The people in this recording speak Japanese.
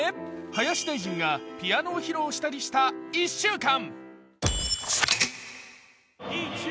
林大臣がピアノを披露したりした１週間。